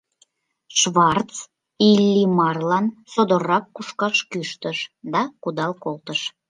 Шварц Иллимарлан содоррак кушкаш кӱштыш да кудал колтыш.